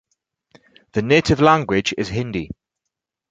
The native language is Hindi.